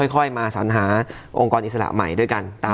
ค่อยมาสัญหาองค์กรอิสระใหม่ด้วยกัน